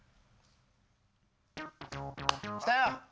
来たよ！